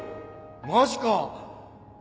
マジか！？